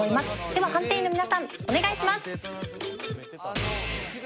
では判定員の皆さんお願いします。